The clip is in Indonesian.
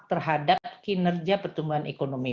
terhadap kinerja pertumbuhan ekonomi